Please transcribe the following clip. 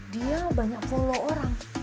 dia banyak follow orang